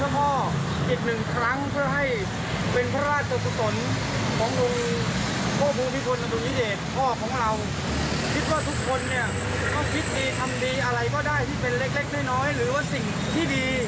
มีอะไรก็ได้ที่เป็นเล็กไม่น้อยหรือว่าสิ่งที่ดี